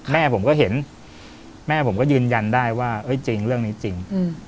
แม่ผมก็เห็นแม่ผมก็ยืนยันได้ว่าจริงเรื่องนี้จริง